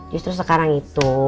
justru sekarang itu